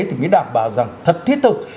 thì mới đảm bảo rằng thật thiết thực